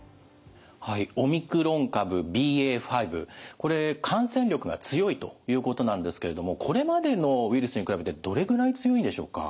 はいオミクロン株ＢＡ．５これ感染力が強いということなんですけれどもこれまでのウイルスに比べてどれぐらい強いんでしょうか？